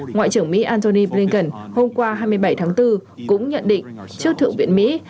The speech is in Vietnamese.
ngoại trưởng mỹ antony blinken hôm qua hai mươi bảy tháng bốn cũng nhận định trước thượng viện mỹ